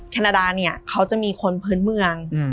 แคนาดาเนี่ยเขาจะมีคนพื้นเมือง